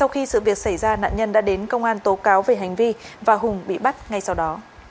từ việc xảy ra nạn nhân đã đến công an tố cáo về hành vi và hùng bị bắt ngay sau đó